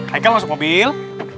haikal masuk mobil